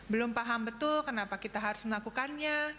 belum paham betul kenapa kita harus melakukannya